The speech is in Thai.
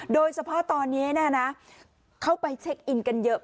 โดยเฉพาะตอนนี้เข้าไปเช็คอินกันเยอะ